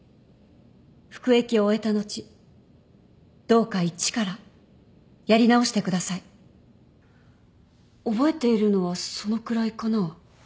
服役を終えた後どうか一からやり直してください覚えているのはそのくらいかな。